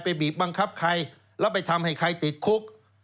บีบบังคับใครแล้วไปทำให้ใครติดคุก